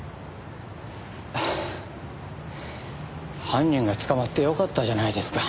犯人が捕まってよかったじゃないですか。